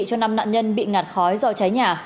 cho năm nạn nhân bị ngạt khói do cháy nhà